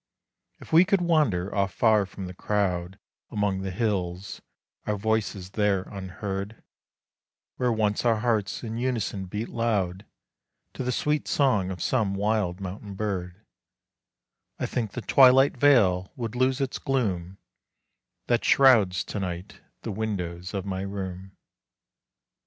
If we could wander off far from the crowd Among the hills our voices there unheard Where once our hearts in unison beat loud, To the sweet song of some wild mountain bird, I think the twilight vail would lose its gloom, That shrouds to night the windows of my room.